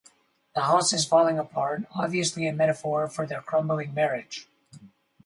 The house is falling apart, obviously a metaphor for their crumbling marriage.